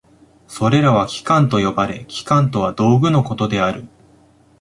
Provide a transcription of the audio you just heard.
それらは器官と呼ばれ、器官とは道具のことである。